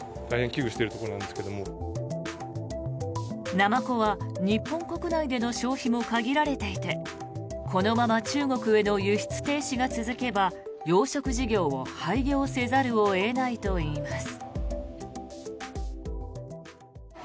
ナマコは日本国内での消費も限られていてこのまま中国への輸出停止が続けば養殖事業を廃業せざるを得ないといいます。